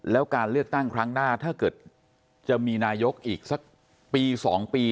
แล้วการเลือกตั้งครั้งหน้าถ้าเกิดจะมีนายกอีกสักปี๒ปี